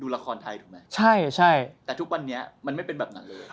ละครไทยถูกไหมใช่ใช่แต่ทุกวันนี้มันไม่เป็นแบบนั้นเลย